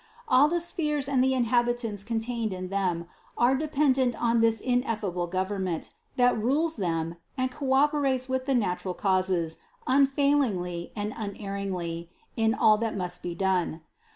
All the spheres and the inhabitants contained in them are dependent on this ineffable gov ernment that rules them and cooperates with the nat ural causes unfailingly and unerringly in all that must be done.